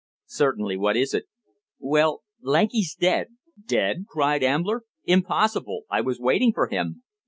"Certainly. What is it?" "Well, Lanky's dead." "Dead?" cried Ambler. "Impossible. I was waiting for him."